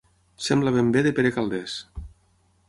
Sembla ben bé de Pere Calders.